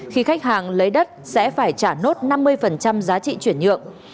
khi khách hàng lấy đất sẽ phải trả nốt năm mươi giá trị chuyển nhượng